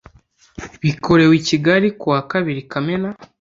bikorewe i kigali ku wa kabiri kamena